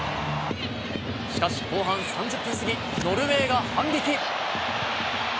しかし、後半３０分過ぎ、ノルウェーが反撃。